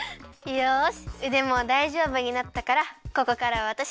よし！